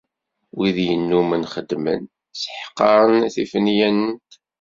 Wid yennumen xeddmen, seḥqaren tifinyent.